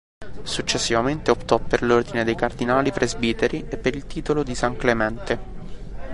Successivamente optò per l'ordine dei cardinali-presbiteri e per il titolo di San Clemente.